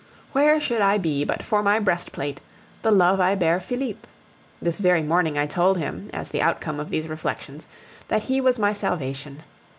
Where should I be but for my breastplate the love I bear Felipe? This very morning I told him, as the outcome of these reflections, that he was my salvation.